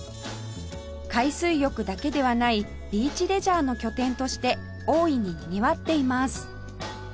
海水浴だけではないビーチレジャーの拠点として大いににぎわっています